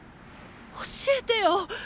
教えてよ。